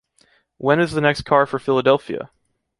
When is the next car for Philadelphia?